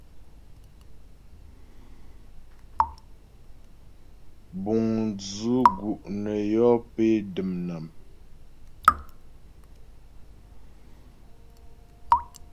Buŋ dzʉ̂ gu' nə yɔ́ pé dəm nám.